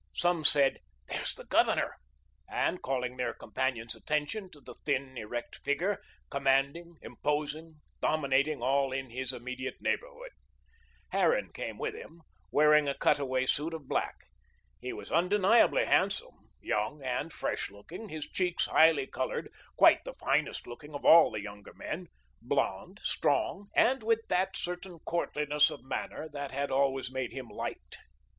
Some said: "There's the Governor," and called their companions' attention to the thin, erect figure, commanding, imposing, dominating all in his immediate neighbourhood. Harran came with him, wearing a cut away suit of black. He was undeniably handsome, young and fresh looking, his cheeks highly coloured, quite the finest looking of all the younger men; blond, strong, with that certain courtliness of manner that had always made him liked.